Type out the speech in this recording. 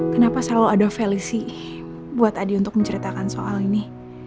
kenapa selalu ada valusi buat adi untuk menceritakan soal ini